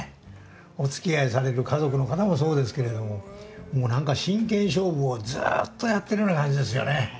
おつきあいされる家族の方もそうですけれども何か真剣勝負をずっとやってるような感じですよね。